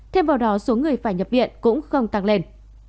thêm vào đó số người phải nhập viện cũng không tăng lên